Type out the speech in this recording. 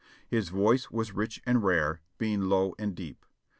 His voice was rich and rare, being low and deep.